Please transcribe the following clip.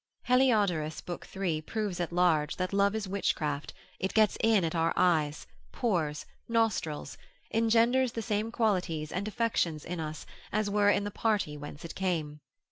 Heliodorus lib. 3. proves at large, that love is witchcraft, it gets in at our eyes, pores, nostrils, engenders the same qualities and affections in us, as were in the party whence it came.